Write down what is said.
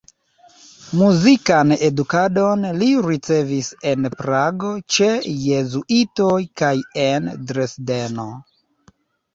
Muzikan edukadon li ricevis en Prago ĉe jezuitoj kaj en Dresdeno.